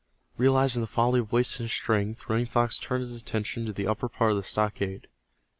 Realizing the folly of wasting his strength, Running Fox turned his attention to the upper part of the stockade.